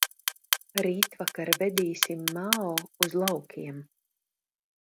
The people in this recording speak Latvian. Rītvakar vedīsim Mao uz laukiem.